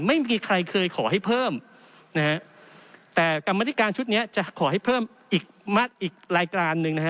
ไม่มีใครเคยขอให้เพิ่มนะฮะแต่กรรมธิการชุดนี้จะขอให้เพิ่มอีกรายการหนึ่งนะฮะ